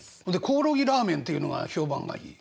コオロギラーメンっていうのが評判がいい？